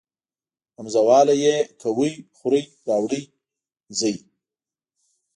همزه واله ئ کوئ خورئ راوړئ ځئ